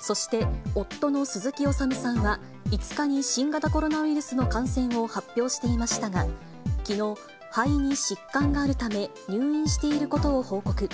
そして夫の鈴木おさむさんは、５日に新型コロナウイルスの感染を発表していましたが、きのう、肺に疾患があるため、入院していることを報告。